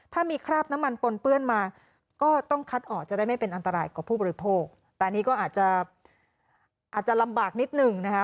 ถ้ามีคราบน้ำมันปนเปื้อนมาก็ต้องคัดออกจะได้ไม่เป็นอันตรายกับผู้บริโภคแต่อันนี้ก็อาจจะอาจจะลำบากนิดหนึ่งนะคะ